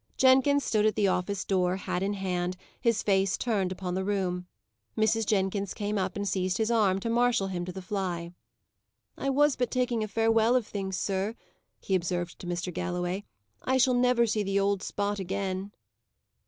Jenkins stood at the office door, hat in hand, his face turned upon the room. Mrs. Jenkins came up and seized his arm, to marshal him to the fly. "I was but taking a farewell of things, sir," he observed to Mr. Galloway. "I shall never see the old spot again."